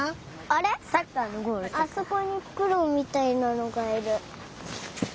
あそこにふくろうみたいなのがいる。